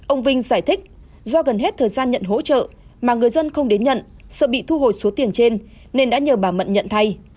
ông vinh giải thích do gần hết thời gian nhận hỗ trợ mà người dân không đến nhận sợ bị thu hồi số tiền trên nên đã nhờ bà mận nhận thay